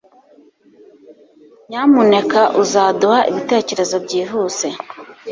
Nyamuneka uzaduha ibitekerezo byihuse